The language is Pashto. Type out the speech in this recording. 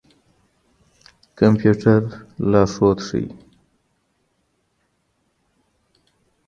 کمپيوټر لارښود ښيي.